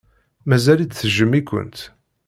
Mazal-itt tejjem-ikent.